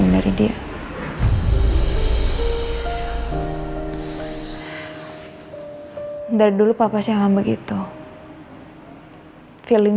nanti aku ketemu dia lintung